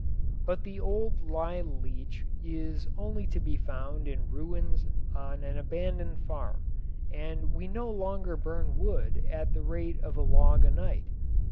But the old lye leach is only to be found in ruins on an abandoned farm and we no longer burn wood at the rate of a log a night.